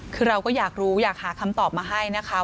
คือเราก็อยากรู้อยากหาคำตอบมาให้นะคะ